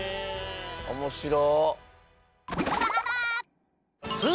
おもしろ。